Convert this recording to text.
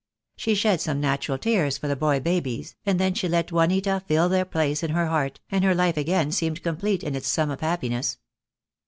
She shed some natural tears for the boy babies, and then she let Juanita fill their place in her heart, and her life again seemed complete in its sum of happiness.